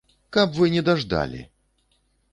Каб вы не даждалі!